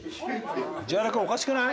藤原君おかしくない？